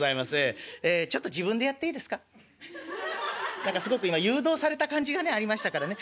何かすごく今誘導された感じがねありましたからね。